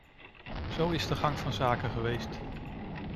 Zo is de gang van zaken geweest.